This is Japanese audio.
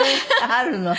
あるの。